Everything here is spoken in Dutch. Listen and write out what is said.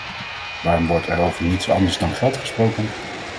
Waarom wordt er over niets anders dan geld gesproken?